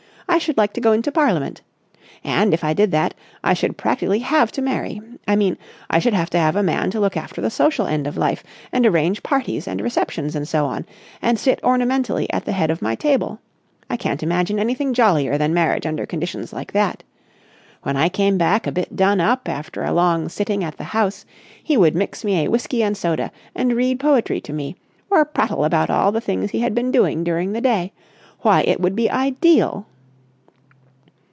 I should like to go into Parliament. And, if I did that, I should practically have to marry. I mean, I should have to have a man to look after the social end of life and arrange parties and receptions and so on, and sit ornamentally at the head of my table. I can't imagine anything jollier than marriage under conditions like that. When I came back a bit done up after a long sitting at the House, he would mix me a whisky and soda and read poetry to me or prattle about all the things he had been doing during the day.... Why, it would be ideal!"